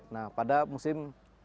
nah pada musim hujan musim hujan